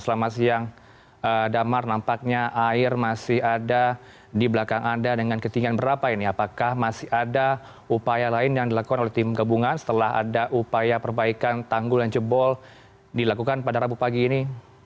selama siang damar nampaknya air masih ada di belakang anda dengan ketinggian berapa ini apakah masih ada upaya lain yang dilakukan oleh tim gabungan setelah ada upaya perbaikan tanggul yang jebol dilakukan pada rabu pagi ini